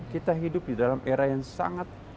kita hidup di dalam era yang sangat